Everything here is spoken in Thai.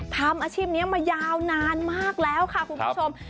ทำอาชีพนี้มายาวนานมากแล้วค่ะคุณผู้ชม